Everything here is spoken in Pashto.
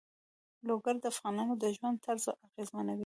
لوگر د افغانانو د ژوند طرز اغېزمنوي.